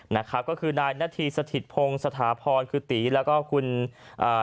นะครับก็คือนายนาธีสถิตพงศ์สถาพรคือตีแล้วก็คุณอ่า